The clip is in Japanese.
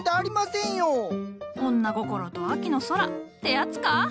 女心と秋の空ってやつか？